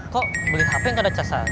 kok beli hp gak ada casannya